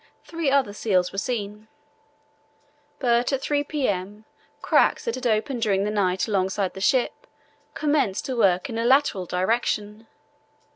Three other seals were seen. But at 3 p.m. cracks that had opened during the night alongside the ship commenced to work in a lateral direction.